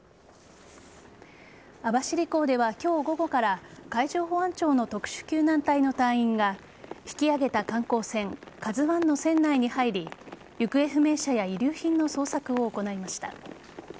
網走港では今日午後から海上保安庁の特殊救難隊の隊員が引き揚げた観光船「ＫＡＺＵ１」の船内に入り行方不明者や遺留品の捜索を行いました。